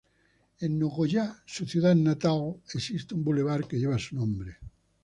En Nogoyá, su ciudad natal, existe un bulevar que lleva su nombre.